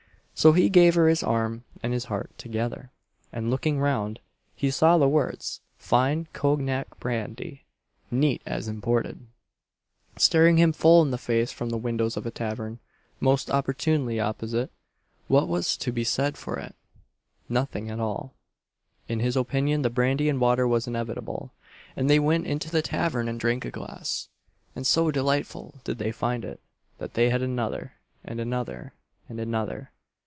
So he gave her his arm and his heart together, and looking round, he saw the words "Fine Cognac Brandy, neat as imported," staring him full in the face from the windows of a tavern, most opportunely opposite. What was to be said for it? Nothing at all. In his opinion the brandy and water was inevitable, and they went into the tavern and drank a glass; and so delightful did they find it, that they had another, and another, and another.